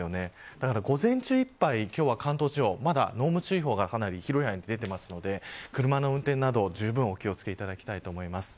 だから午前中いっぱい今日は関東地方、濃霧注意報がかなり広い範囲に出ているので車の運転などじゅうぶんお気を付けください。